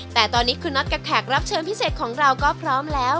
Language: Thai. แต่ตอนนี้คุณน็อตกับแขกรับเชิญพิเศษของเราก็พร้อมแล้ว